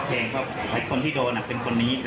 แล้วคนนู้นนะก่อนที่เขาจะไปแทนคนนู้น